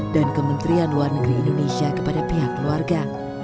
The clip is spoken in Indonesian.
dan kementerian luar negeri indonesia kepada pihak keluarga